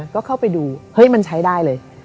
ก็เข้าไปดูเฮ้ยมันใช้ได้เลย